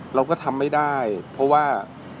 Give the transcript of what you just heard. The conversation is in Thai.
เราก็ทำไม่ได้เพราะว่า